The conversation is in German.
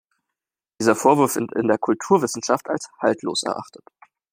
Dieser Vorwurf wird in der Kulturwissenschaft als haltlos erachtet.